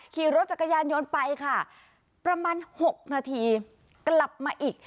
ขี่รถจักรยานยนต์ไปค่ะประมาณ๖นาทีกลับมาอีก